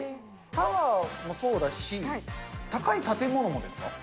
タワーもそうだし、高い建物もですか？